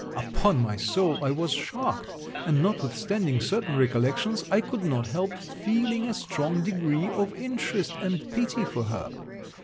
Upon my soul I was shocked; and, notwithstanding certain recollections, I could not help feeling a strong degree of interest and pity for her.